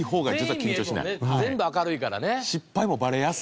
全部明るいからね。